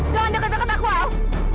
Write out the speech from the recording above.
jangan deket deket aku al